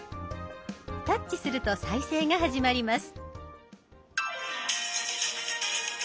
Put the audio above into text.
タッチすると再生が始まります。